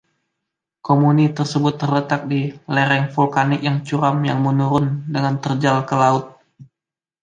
Komune tersebut terletak di lereng vulkanik yang curam yang menurun dengan terjal ke laut.